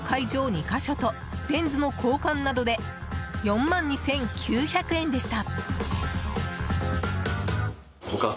２か所とレンズの交換などで４万２９００円でした。